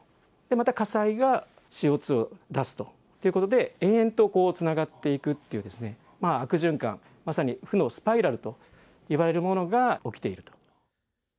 また火災がＣＯ２を出すということで、延々とつながっていくっていうですね、悪循環、まさに負のスパイラルといわれるものが起きていると。